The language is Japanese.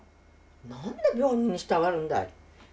何で病人にしたがるんだい！